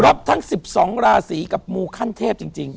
รับทั้ง๑๒ราศีกับมูขั้นเทพจริง